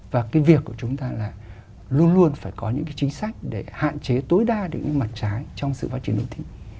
và cái việc của chúng ta là luôn luôn phải có những cái chính sách để hạn chế tối đa những mặt trái trong sự phát triển đô thị